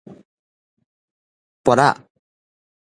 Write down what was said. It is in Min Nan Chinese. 菝仔